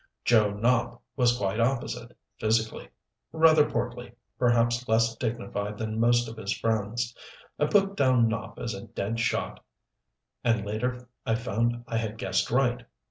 Joe Nopp was quite opposite, physically rather portly, perhaps less dignified than most of his friends. I put down Nopp as a dead shot, and later I found I had guessed right.